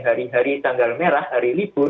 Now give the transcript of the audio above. hari hari tanggal merah hari libur